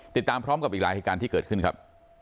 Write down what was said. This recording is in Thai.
ติดตามพร้อมกับอีกหลายเหตุการณ์ที่เกิดขึ้นครับ